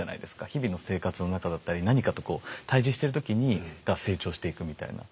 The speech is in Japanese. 日々の生活の中だったり何かとこう対峙してる時にが成長していくみたいな。